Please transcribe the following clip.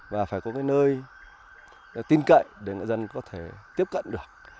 và phải có cái nơi tin cậy để người dân có thể tiếp cận được